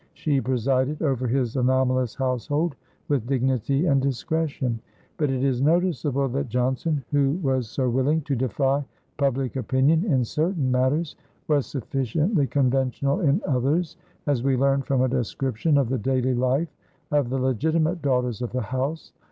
She presided over his anomalous household with dignity and discretion; but it is noticeable that Johnson, who was so willing to defy public opinion in certain matters, was sufficiently conventional in others, as we learn from a description of the daily life of the legitimate daughters of the house.